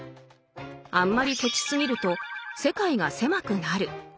あんまりケチすぎると世界が狭くなる。